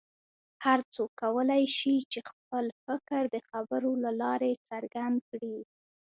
هر څوک کولی شي چې خپل فکر د خبرو له لارې څرګند کړي.